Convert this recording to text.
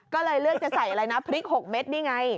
ก็เลยเลือกจะใส่อะไรนะพริก๖เม็ดนี่ไง